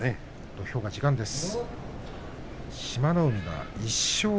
土俵が時間です。